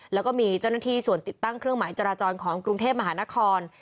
แล้วก็มีเจ้าหน้าที่ส่วนติดตั้งเครื่องหมายจราจรของกรุงเทพมหานคร